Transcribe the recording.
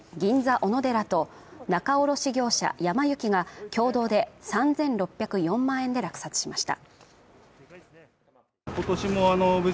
おのでらと仲卸業者やま幸が共同で３６０４万円で落札しました